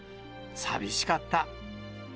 寂しかった。